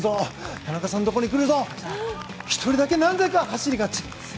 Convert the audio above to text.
田中さんのところに来るぞ１人だけなぜか走りが違う。